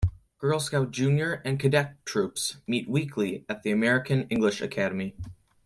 Girl Scout Junior and Cadette Troops meet weekly at the American English Academy.